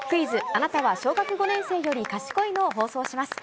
あなたは小学５年生より賢いの？を放送します。